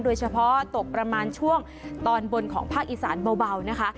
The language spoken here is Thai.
โดยเฉพาะตกประมาณช่วงตอนบนของภาคอีสานเบานะคะ